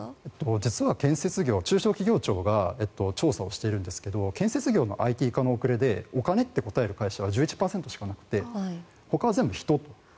実は、建設業中小企業庁が調査してるんですが建設業のＩＴ化の遅れでお金って答える会社は１１％しかなくてほかは全部人と。